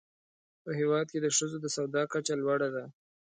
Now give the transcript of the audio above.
په هېواد کې د ښځو د سواد کچه لوړه ده.